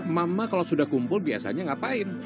mama kalau sudah kumpul biasanya ngapain